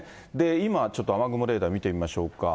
今ちょっと雨雲レーダー見てみましょうか。